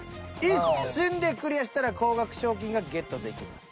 一瞬でクリアしたら高額賞金がゲットできます。